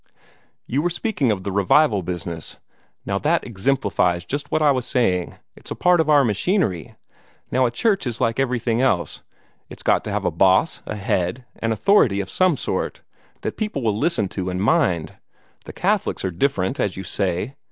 You were speaking of the revival business. Now that exemplifies just what I was saying it's a part of our machinery. Now a church is like everything else, it's got to have a boss, a head, an authority of some sort, that people will listen to and mind. The Catholics are different, as you say.